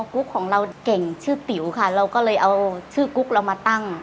กุ๊กของเราเก่งชื่อติ๋วค่ะเราก็เลยเอาชื่อกุ๊กเรามาตั้ง